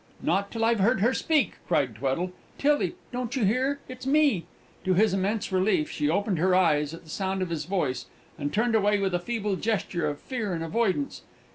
"Not till I've heard her speak," cried Tweddle. "Tillie, don't you hear? it's me!" To his immense relief, she opened her eyes at the sound of his voice, and turned away with a feeble gesture of fear and avoidance.